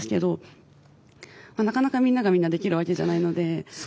なかなかみんながみんなできるわけじゃないので。